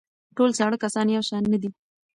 ټول زاړه کسان یو شان نه دي.